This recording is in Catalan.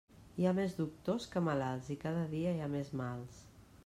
Hi ha més doctors que malalts i cada dia hi ha més mals.